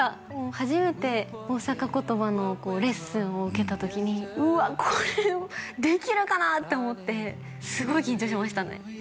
初めて大阪言葉のレッスンを受けた時にうわこれできるかな？って思ってすごい緊張しましたね